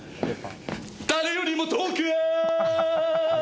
誰よりも遠くへ。